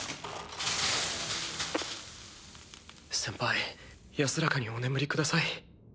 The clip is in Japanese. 先輩安らかにお眠りください。